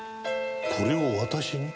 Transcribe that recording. これを私に？